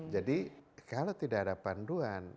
jadi kalau tidak ada panduan